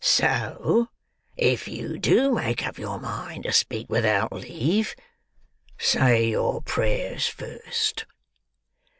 So, if you do make up your mind to speak without leave, say your prayers first."